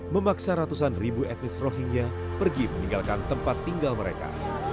memaksa ratusan ribu etnis rohingya pergi meninggalkan tempat tinggal mereka